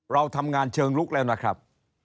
เราทำงานเชิงลุกแล้วนะครับ